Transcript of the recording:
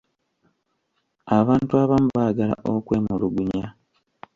Abantu abamu baagala okwemulugunya.